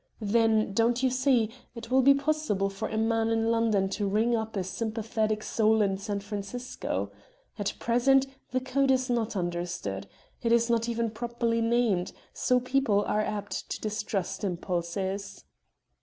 Then, don't you see, it will be possible for a man in London to ring up a sympathetic soul in San Francisco. At present the code is not understood. It is not even properly named, so people are apt to distrust impulses."